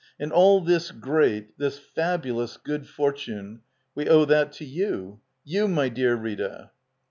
] And all this great — this fabulous good fortune — we owe that to you — you, my dear R]ta.